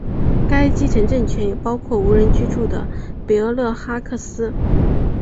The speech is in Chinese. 该基层政权也包括无人居住的北厄勒哈克斯。